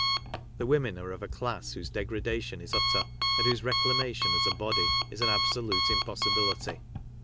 The women are of a class whose degradation is utter, and whose reclamation, as a body, is an absolute impossibility.